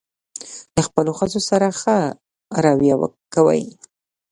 له خپلو ښځو سره ښه راویه وکوئ.